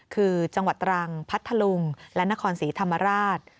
คือจังหวัดตรังพัทธลุงและนครศรีธรรมราช